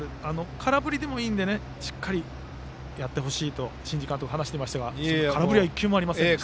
空振りでもいいのでしっかりやってほしいと新治監督が話していましたが空振りは１球もありませんでした。